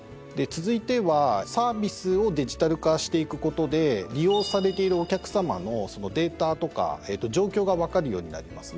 続いてはサービスをデジタル化していくことで利用されているお客さまのデータとか状況が分かるようになります。